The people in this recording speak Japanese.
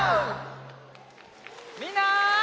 みんな！